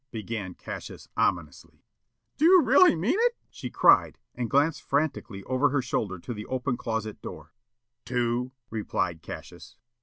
began Cassius ominously. "Do you really mean it?" she cried, and glanced frantically over her shoulder at the open closet door. "Two," replied Cassius.